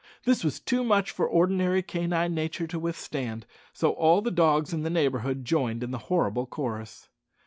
This was too much for ordinary canine nature to withstand, so all the dogs in the neighbourhood joined in the horrible chorus.